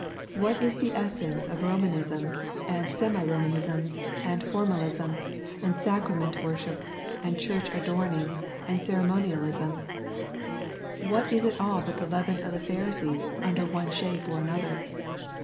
What is the essence of Romanism, and semi Romanism, and formalism, and sacrament worship and church adorning, and ceremo nialism ? What is it all but the leaven of the Phari sees under one shape or another